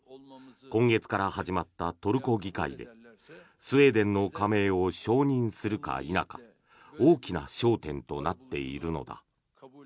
今月から始まったトルコ議会でスウェーデンの加盟を承認するか否か大きな焦点となっているのだ。